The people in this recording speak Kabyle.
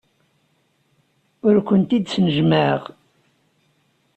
Ur kent-id-snejmaɛeɣ.